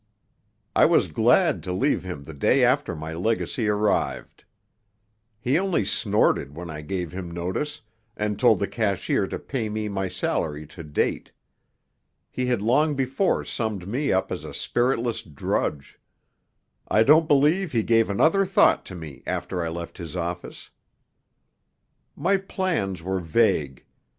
I was glad to leave him the day after my legacy arrived. He only snorted when I gave him notice, and told the cashier to pay me my salary to date. He had long before summed me up as a spiritless drudge. I don't believe he gave another thought to me after I left his office. My plans were vague.